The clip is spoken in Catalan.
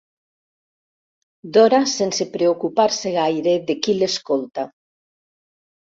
Dora sense preocupar-se gaire de qui l'escolta—.